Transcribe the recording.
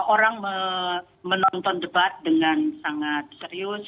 orang menonton debat dengan sangat serius